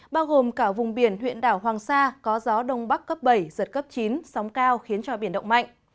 bao gồm cả vùng biển huyện đảo hoàng sa có gió đông bắc cấp bảy giật cấp chín sóng cao khiến cho biển động mạnh